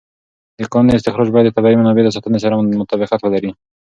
د کانونو استخراج باید د طبیعي منابعو د ساتنې سره مطابقت ولري.